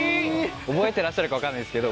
覚えてらっしゃるか分かんないですけど。